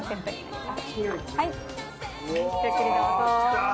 ごゆっくりどうぞ。